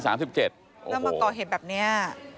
แล้วมาก่อเหตุแบบนี้